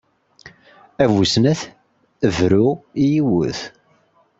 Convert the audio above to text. Yella icab.